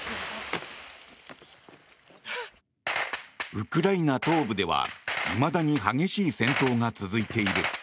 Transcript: ウクライナ東部では、いまだに激しい戦闘が続いている。